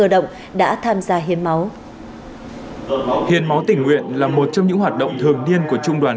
đã tham gia hiếm máu hiến máu tình nguyện là một trong những hoạt động thường niên của trung đoàn